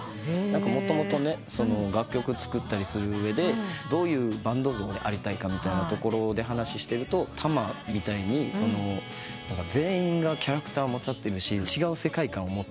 もともと楽曲作ったりする上でどういうバンド像でありたいかって話してるとたまみたいに全員がキャラクターも立ってるし違う世界観を持ってるし。